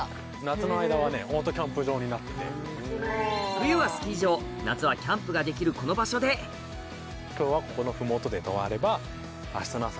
冬はスキー場夏はキャンプができるこの場所で今日はここの麓で泊まれば。